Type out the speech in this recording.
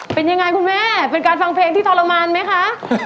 เป็นยังไงคุณแม่เป็นการฟังเพลงที่ทรมานไหมคะ